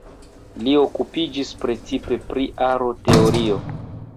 Li okupiĝis precipe pri aroteorio.